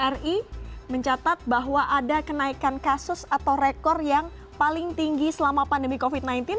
bri mencatat bahwa ada kenaikan kasus atau rekor yang paling tinggi selama pandemi covid sembilan belas